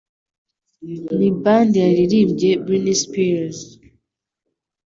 Ni band yaririmbye Britney Spears